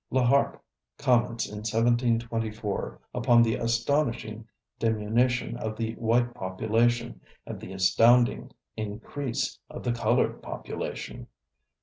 La Harpe comments in 1724 upon the astonishing diminution of the white population and the astounding increase of the colored population.